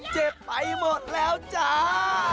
เจ็บไปหมดแล้วจ้า